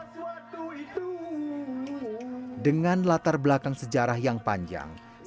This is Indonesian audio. dengan latar belakang sejarah yang panjang seni hikayat telah dikenal sebagai salah satu kata yang paling berguna di dunia